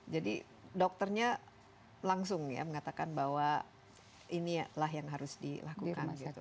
jadi dokternya langsung ya mengatakan bahwa inilah yang harus dilakukan